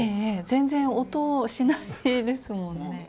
全然音しないですもんね。